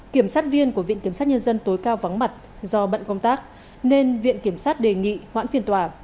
kiểm sát viên của viện kiểm sát nhân dân tối cao vắng mặt do bận công tác nên viện kiểm sát đề nghị hoãn phiên tòa